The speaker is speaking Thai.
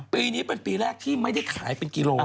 ปีนี้เป็นปีแรกที่ไม่ได้ขายเป็นกิโล